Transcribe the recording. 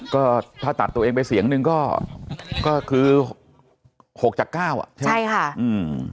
ก็ถ้าตัดตัวเองไปเสียงหนึ่งก็คือหกจากเก้าอ่ะใช่ไหมใช่ค่ะอืม